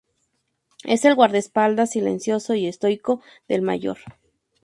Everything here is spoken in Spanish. Es el guardaespaldas silencioso y estoico del Mayor.